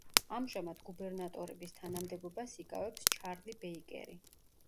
ამჟამად, გუბერნატორების თანამდებობას იკავებს ჩარლი ბეიკერი.